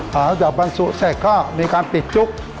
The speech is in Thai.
หลังจากบรรจุเสร็จก็มีการปิดจุ๊ก